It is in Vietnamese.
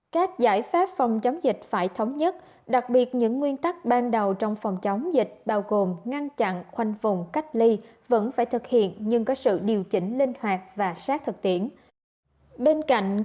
các giải pháp phòng chống dịch phải thống nhất đặc biệt những nguyên tắc ban đầu trong phòng chống dịch bao gồm ngăn chặn khoanh vùng cách ly vẫn phải thực hiện nhưng có sự điều chỉnh linh hoạt và sát thực tiễn